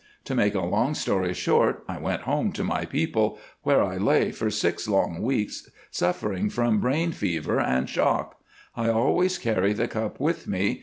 To make a long story short, I went home to my people, where I lay for six long weeks suffering from brain fever and shock. I always carry the cup with me.